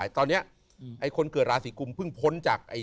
ตอนนี้คนเกิดราศีกุมเพิ่งพ้นจาก